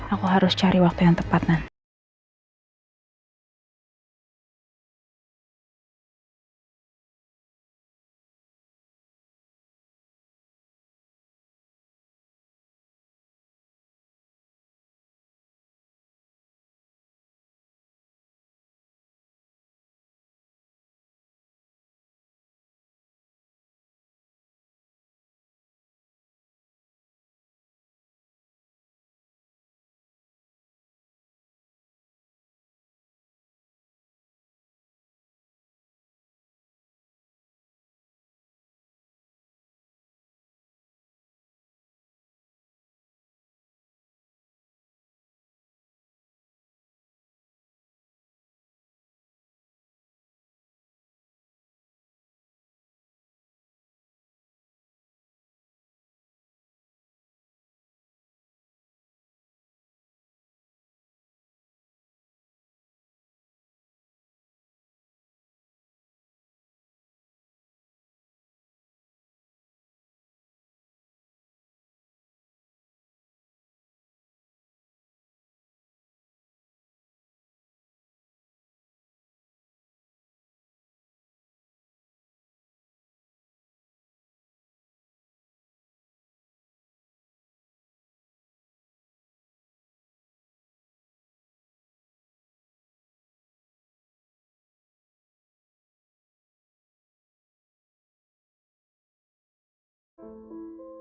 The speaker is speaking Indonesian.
aku harus cari waktu yang tepat nanti